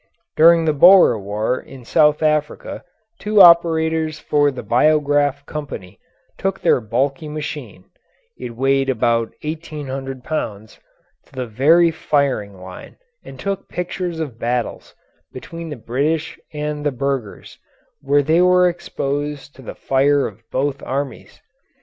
During the Boer War in South Africa two operators for the Biograph Company took their bulky machine (it weighed about eighteen hundred pounds) to the very firing line and took pictures of battles between the British and the Burghers when they were exposed to the fire of both armies.